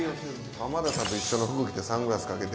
浜田さんと一緒の服着てサングラスかけて。